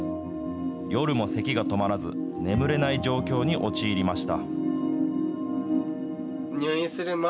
夜もせきが止まらず、眠れない状況に陥りました。